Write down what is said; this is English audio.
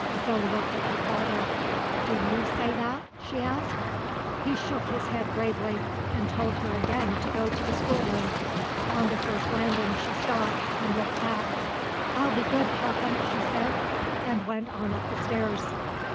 Zo looked at her father. "Do you say that?" she asked. He shook his head gravely, and told her again to go to the schoolroom. On the first landing she stopped, and looked back. "I'll be good, papa," she said and went on up the stairs.